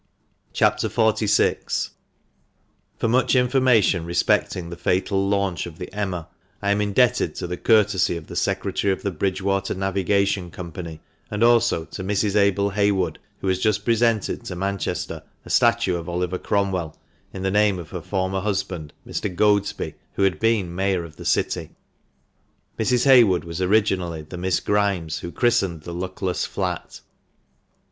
CHAP. XLVI. — For much information respecting the fatal launch of the Emma, I am indebted to the courtesy of the Secretary of the Bridgewater Navigation Com pany, and also to Mrs. Abel Heywood, who has just presented to Manchester a statue of Oliver Cromwell, in the name ot her former husband, Mr. Goadsby, who had been Mayor of the city. Mrs. Heywood was originally the Miss Grimes who christened the luckless flat.